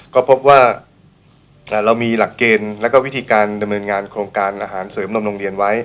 ก็พบว่าเรามีหลักเกณฑ์แล้วก็วิธีการดำเนินงานโครงการอาหารเสริมนมโรงเรียนไว้